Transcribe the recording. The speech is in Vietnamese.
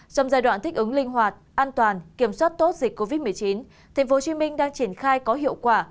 trong giai đoạn thích ứng linh hoạt an toàn kiểm soát tốt dịch covid một mươi chín tp hcm đang triển khai có hiệu quả